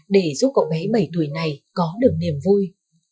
để giúp cậu bé bảy tuổi này có được niềm vui